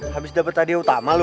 habis dapet hadiah utama lo